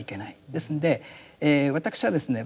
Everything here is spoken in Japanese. ですんで私はですね